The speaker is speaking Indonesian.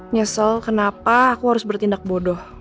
nyesel kenapa aku harus bertindak bodoh